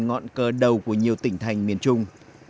ngọn cờ đầu của nhiều tỉnh thành miền trung